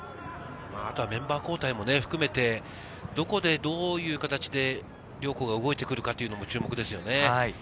あとはメンバー交代も含めて、どこでどういう形で両校が動いて来るかも注目ですね。